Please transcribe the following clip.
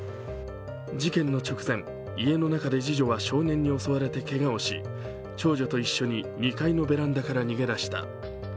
事件の直前、家の中で次女は少年に襲われてけがをし長女と一緒に２階のベランダから逃げ出した。